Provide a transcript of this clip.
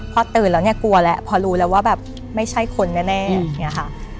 พอตื่นแล้วเนี่ยกลัวแล้วพอรู้แล้วว่าแบบไม่ใช่คนแน่อย่างนี้ค่ะ